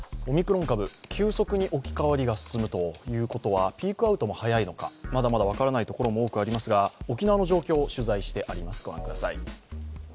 オミクロン株、急速に置き換わりが進むということはピークアウトも早いのか、まだまだ分からないところも多くありますが、沖縄の状況を取材してあります。